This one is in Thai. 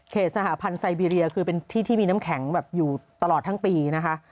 สหพันธ์ไซบีเรียคือเป็นที่ที่มีน้ำแข็งแบบอยู่ตลอดทั้งปีนะคะ